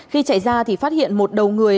khi chạy ra thì phát hiện một đầu người